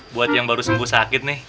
buat yang baru sembuh sakit nih